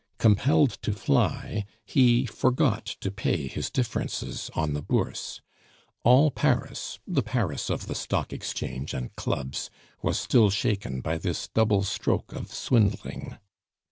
Compelled to fly, he forgot to pay his differences on the Bourse. All Paris the Paris of the Stock Exchange and Clubs was still shaken by this double stroke of swindling.